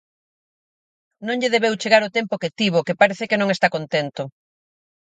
Non lle debeu chegar o tempo que tivo, que parece que non está contento.